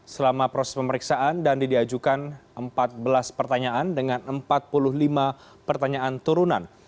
selama proses pemeriksaan dandi diajukan empat belas pertanyaan dengan empat puluh lima pertanyaan turunan